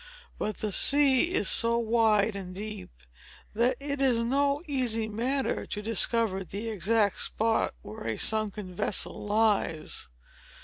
But the sea is so wide and deep, that it is no easy matter to discover the exact spot where a sunken vessel lies.